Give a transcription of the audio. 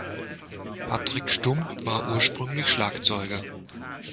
Patrick Stump war ursprünglich Schlagzeuger.